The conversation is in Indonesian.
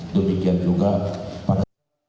demikian juga pada